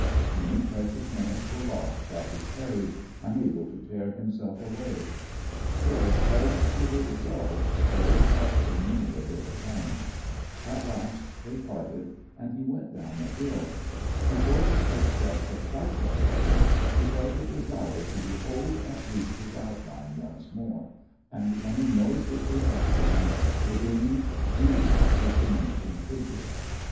Many precious minutes were lost while he tarried, unable to tear himself away. Phyllis held to her resolve, though it cost her many a bitter pang. At last they parted, and he went down the hill. Before his footsteps had quite died away she felt a desire to behold at least his outline once more, and running noiselessly after him regained view of his diminishing figure.